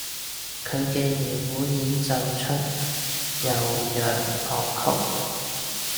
佢嘅二胡演奏出悠揚樂曲